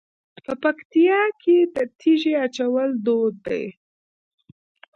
په پکتیا کې د تیږې اچول دود دی.